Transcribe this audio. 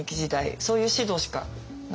そういう指導しかなくって。